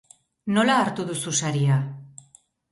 Nola hartu duzu saria?